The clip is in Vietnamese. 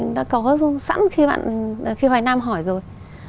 đã có sẵn khi hoài nam hỏi rồi